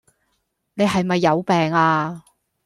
你係咪有病呀